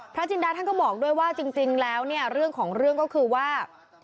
จินดาท่านก็บอกด้วยว่าจริงแล้วเนี่ยเรื่องของเรื่องก็คือว่า